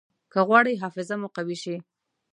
که غواړئ حافظه مو قوي شي.